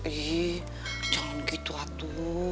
ih jangan gitu atu